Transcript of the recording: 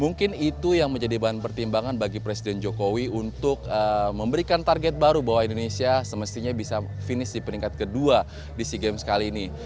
mungkin itu yang menjadi bahan pertimbangan bagi presiden jokowi untuk memberikan target baru bahwa indonesia semestinya bisa finish di peringkat kedua di sea games kali ini